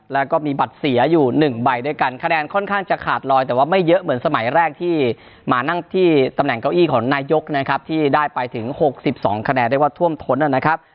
แล้วก็มีบัตรเสียอยู่๑ใบด้วยกันคะแนนค่อนข้างจะขาดลอยแต่ว่าไม่เยอะเหมือนสมัยแรกที่มานั่งที่ตำแหน่งเก้าอี้ของนายกนะครับที่ได้ไปถึง๖๒คะแนนได้ว่าท่วมท้นนะครับ